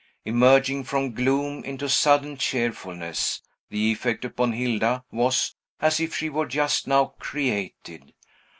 Emerging from gloom into sudden cheerfulness, the effect upon Hilda was as if she were just now created.